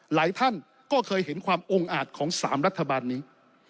หลายท่านก็เคยเห็นความองค์อาจของ๓รัฐบาลนี้